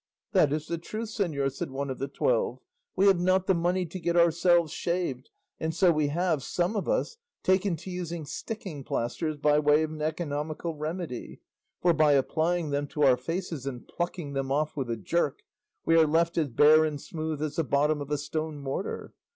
"That is the truth, señor," said one of the twelve; "we have not the money to get ourselves shaved, and so we have, some of us, taken to using sticking plasters by way of an economical remedy, for by applying them to our faces and plucking them off with a jerk we are left as bare and smooth as the bottom of a stone mortar.